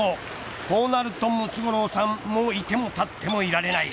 こうなるとムツゴロウさん居ても立ってもいられない。